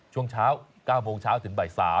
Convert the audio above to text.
ช่วงเช้า๙โมงเช้าถึงบ่าย๓